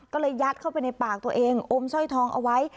ก็เลยยัดเข้าไปในปากตัวเองอมสร้อยทองเอาไว้